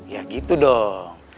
ya gitu dong